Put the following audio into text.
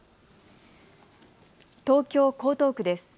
東京江東区です。